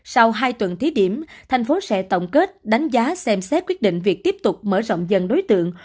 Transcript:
sau hai tuần thí điểm thành phố sẽ tổng kết đánh giá xem xét quyết định việc tiếp tục mở rộng dần đối tượng